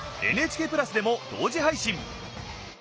ＮＨＫプラスでも同時配信。